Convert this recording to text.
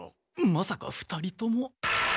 まさか２人とも？